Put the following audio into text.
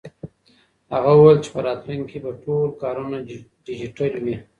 هغه وویل چې په راتلونکي کې به ټول کارونه ډیجیټل وي.